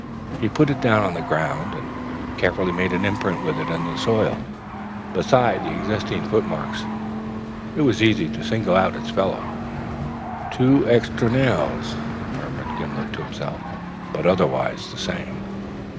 He put it down on the ground and carefully made an imprint with it in the soil, beside the existing footmarks. It was easy to single out its fellows. "Two extra nails," murmured Gimblet to himself, "but otherwise, the same.